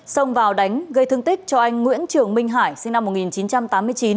xông vào đánh gây thương tích cho anh nguyễn trường minh hải sinh năm một nghìn chín trăm tám mươi chín